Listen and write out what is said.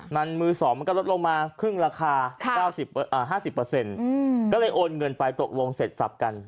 มันมือ๒มันก็ลดลงมาครึ่งราคา๙๕๐ก็เลยโอนเงินไปตกลงเสร็จสับกัน